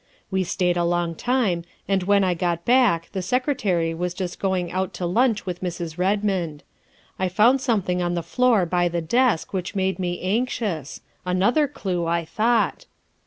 We stayed a long time, and when I got back the Secretary was just going out to lunch with Mrs. Redmond. I found something on the floor by the desk which made me anxious. Another clue, I thought.